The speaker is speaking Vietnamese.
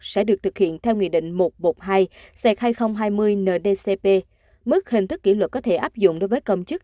sẽ được thực hiện theo nghị định một trăm một mươi hai nghìn hai mươi ndcp mức hình thức kỷ luật có thể áp dụng đối với công chức